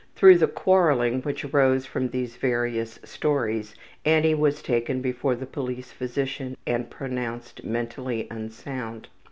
Through the quarreling which arose from these various stories Annie was taken before the police physician and pronounced mentally unsound.